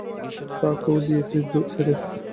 তাকেও দিয়েছি ছেড়ে।